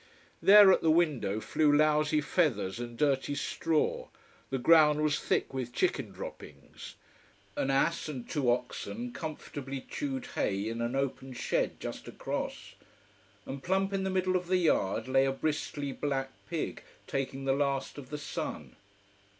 There, at the window flew lousy feathers and dirty straw, the ground was thick with chicken droppings. An ass and two oxen comfortably chewed hay in an open shed just across, and plump in the middle of the yard lay a bristly black pig taking the last of the sun.